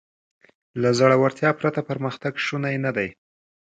له زړهورتیا پرته پرمختګ شونی نهدی.